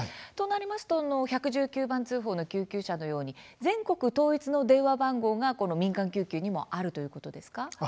となりますと１１９番通報の救急車のように全国統一の電話番号が民間救急にもあるということですか？